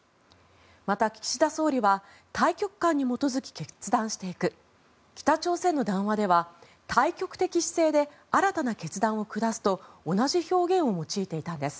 また、岸田総理は大局観に基づき決断していく北朝鮮の談話では大局的姿勢で新たな決断を下すと同じ表現を用いていたんです。